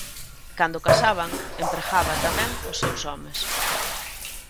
Cando casaban, empregaba tamén os seus homes.